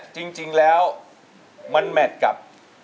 จริงแล้วมันแมทกับ